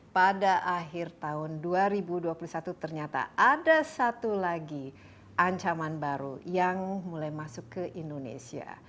pada akhir tahun dua ribu dua puluh satu ternyata ada satu lagi ancaman baru yang mulai masuk ke indonesia